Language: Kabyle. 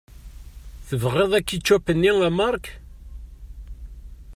Tebɣiḍ akičup-nni a Marc?